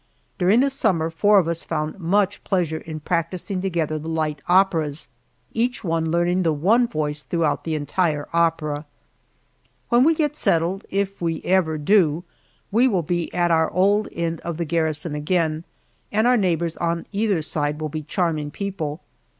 During the summer four of us found much pleasure in practicing together the light operas, each one learning the one voice through the entire opera. When we get settled, if we ever do, we will be at our old end of the garrison again, and our neighbors on either side will be charming people.